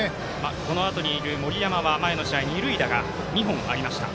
このあとにいる森山は前の試合二塁打が２本ありました。